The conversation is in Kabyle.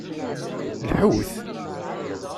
Lḥut!